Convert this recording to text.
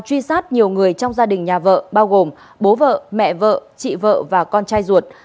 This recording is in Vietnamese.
truy sát nhiều người trong gia đình nhà vợ bao gồm bố vợ mẹ vợ chị vợ và con trai ruột